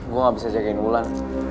gue gak bisa jagain bulan